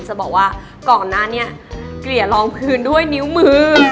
จะบอกว่าก่อนหน้านี้เกลี่ยลองพื้นด้วยนิ้วมือ